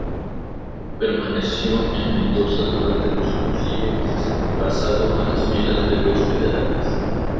Permaneció en Mendoza durante los años siguientes, pasado a las filas de los federales.